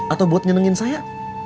atau buat nyenengin saya